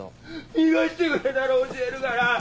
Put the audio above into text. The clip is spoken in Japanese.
逃がしてくれたら教えるから！